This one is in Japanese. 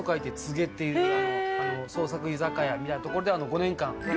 夏っていう創作居酒屋みたいなところで５年間。